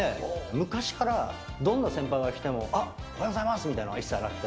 昔から、どんな先輩が来ても、あっ、おはようございますみたいなのは一切なくて。